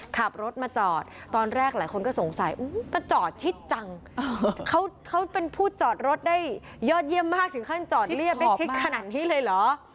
ขับรถมาจอดตอนแรกหลายคนก็สงสัยก็จอดชิดจังเขาเป็นผู้จอดรถได้ยอดเยี่ยมมากถึงขั้นจอดเรียบได้ชิดขนาดนี้เลยเหรอ